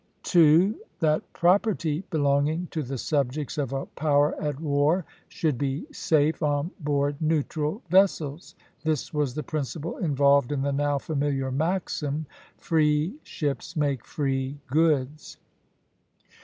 2. That property belonging to the subjects of a power at war should be safe on board neutral vessels. This was the principle involved in the now familiar maxim, "Free ships make free goods."